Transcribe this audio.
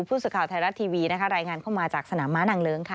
ผู้สื่อข่าวไทยรัฐทีวีนะคะรายงานเข้ามาจากสนามม้านางเลิ้งค่ะ